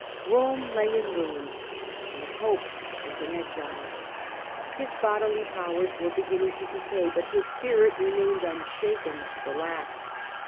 Rome lay in ruins, and the pope was in exile. His bodily powers were beginning to decay, but his spirit remained unshaken to the last.